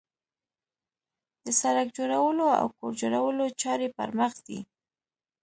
د سړک جوړولو او کور جوړولو چارې پرمخ ځي